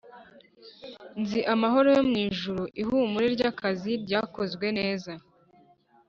nzi amahoro yo mwijuru, ihumure ryakazi ryakozwe neza.